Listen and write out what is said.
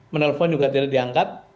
menelpon juga tidak diangkat